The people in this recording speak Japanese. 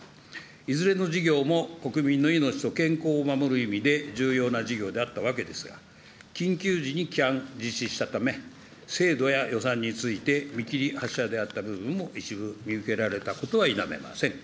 いずれの事業も国民の命と健康を守る意味で重要な事業であったわけですが、緊急時に実施したため、制度や予算について見切り発車であった部分も一部見受けられたことは否めません。